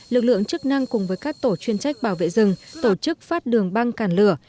lực lượng chức năng cùng với các tổ chuyên trách bảo vệ rừng tổ chức phát đường băng cản lửa